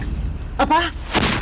itu kan jabatanmu bukan